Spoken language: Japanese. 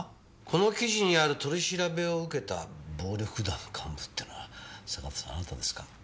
この記事にある取り調べを受けた暴力団幹部ってのは坂田さんあなたですか？